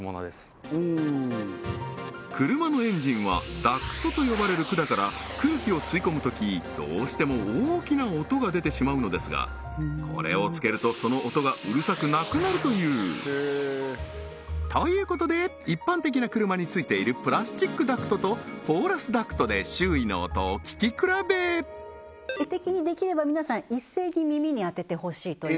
車のエンジンはダクトと呼ばれる管から空気を吸い込むときどうしても大きな音が出てしまうのですがこれをつけるとその音がうるさくなくなるというということで一般的な車についているプラスチックダクトとポーラスダクトで周囲の音を聞き比べ画的にできれば皆さん一斉に耳に当ててほしいという